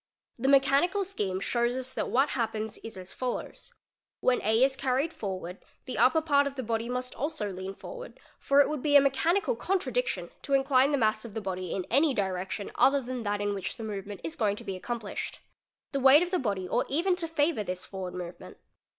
'The mechanical scheme shows 0 'that what happens is as follows: when 4 is carried forward the upp part of the body must also lean forward, for it would be a mechani¢ contradiction to incline the mass of the body in any direction other tha that in which the movement is going to be accomplished. The weight ¢ WALKING | 505 the body ought even to favour this forward movement.